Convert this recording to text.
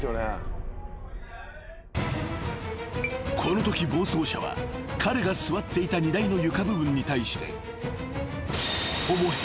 ［このとき暴走車は彼が座っていた荷台の床部分に対してほぼ平行に衝突］